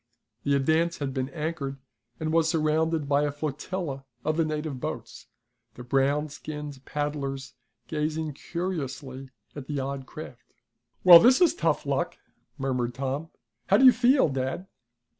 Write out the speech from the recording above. The Advance had been anchored, and was surrounded by a flotilla of the native boats, the brown skinned paddlers gazing curiously at the odd craft. "Well, this is tough luck!" murmured Tom. "How do you feel, dad?"